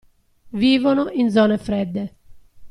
Vivono in zone fredde.